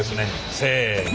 せの。